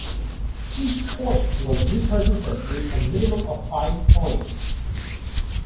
Each poet was represented with a minimum of five poems.